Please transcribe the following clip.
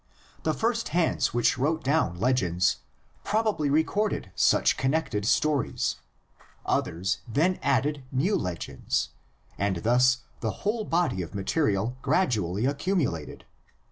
The first hands which wrote down legends probably recorded such connected stories; others then added new legends, and thus the whole body of material gradually accumulated.